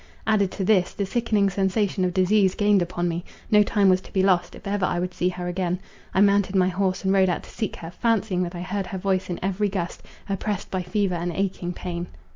Added to this, the sickening sensation of disease gained upon me; no time was to be lost, if ever I would see her again. I mounted my horse and rode out to seek her, fancying that I heard her voice in every gust, oppressed by fever and aching pain.